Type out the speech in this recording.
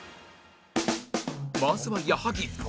まずは矢作